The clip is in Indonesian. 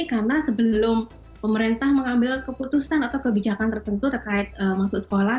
karena sebelum pemerintah mengambil keputusan atau kebijakan tertentu terkait masuk sekolah